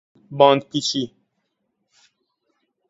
باندپیچی